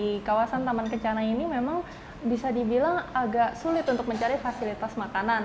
di kawasan taman kencana ini memang bisa dibilang agak sulit untuk mencari fasilitas makanan